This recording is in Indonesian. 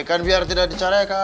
eh kan biar tidak dicarekan